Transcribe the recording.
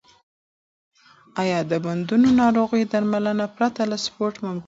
آیا د بندونو ناروغي درملنه پرته له سپورت ممکنه ده؟